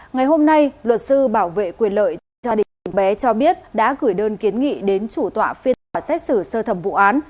ngày hôm nay luật sư bảo vệ quyền lợi cho gia đình bé cho biết đã gửi đơn kiến nghị đến chủ tọa phiên tòa xét xử sơ thẩm vụ án